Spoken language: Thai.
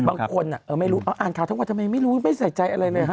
บางคนไม่รู้เอาอ่านข่าวทั้งวันทำไมไม่รู้ไม่ใส่ใจอะไรเลยฮะ